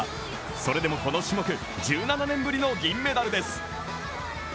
それでもこの種目、１７年ぶりの銀メダルです。